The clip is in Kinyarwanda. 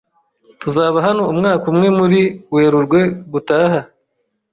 Tuzaba hano umwaka umwe muri Werurwe gutaha